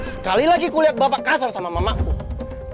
sekali lagi kulihat bapak kasar sama mamakku